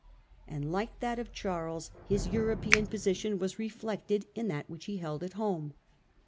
And, like that of Charles, his European position was 266 Conclusion. reflected in that which he held at home.